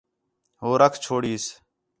ہو رکھ چھوڑیس